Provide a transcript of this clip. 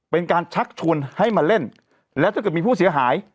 เป็นการชักชวนให้มาเล่นแล้วถ้าเกิดมีผู้เสียหาย